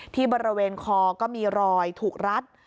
ที่บริเวณคอก็มีรอยถูกรัด